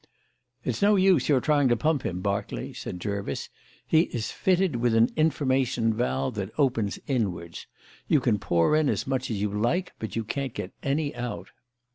"It's no use your trying to pump him, Berkeley," said Jervis. "He is fitted with an information valve that opens inwards. You can pour in as much as you like, but you can't get any out."